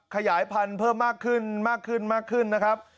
ขยายพันธุ์เพิ่มมากขึ้นมากขึ้นมากขึ้นมากขึ้นนะครับ